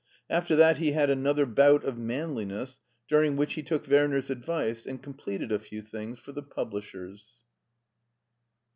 After that he had another bout of manliness, during which he took Werner's advice and completed a few things for the publishers.